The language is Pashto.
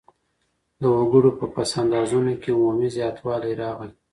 د وګړو په پس اندازونو کي عمومي زياتوالی راغی.